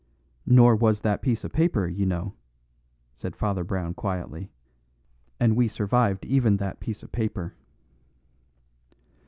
"Nor was that piece of paper, you know," said Father Brown quietly, "and we survived even that piece of paper."